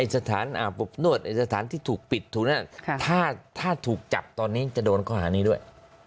สถานที่ถูกปิดถูกนั่นถ้าถูกจับตอนนี้จะโดนข้อหานี้ด้วย